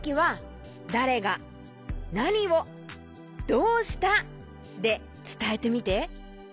「どうした」でつたえてみて。